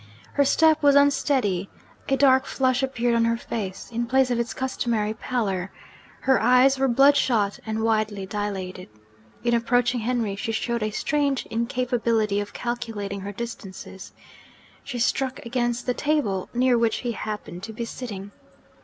Her step was unsteady; a dark flush appeared on her face, in place of its customary pallor; her eyes were bloodshot and widely dilated. In approaching Henry, she showed a strange incapability of calculating her distances she struck against the table near which he happened to be sitting.